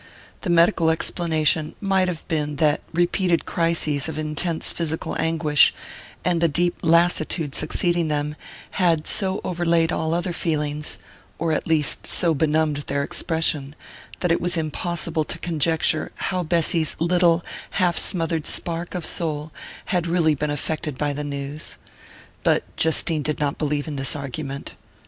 The medical explanation might have been that repeated crises of intense physical anguish, and the deep lassitude succeeding them, had so overlaid all other feelings, or at least so benumbed their expression, that it was impossible to conjecture how Bessy's little half smothered spark of soul had really been affected by the news. But Justine did not believe in this argument.